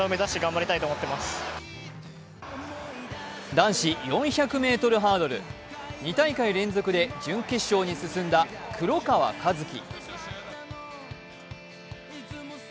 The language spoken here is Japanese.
男子４００ｍハードル、２大会連続で準決勝に進んだ黒川和樹。